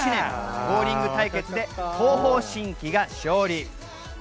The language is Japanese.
ボウリング対決で東方神起が勝利。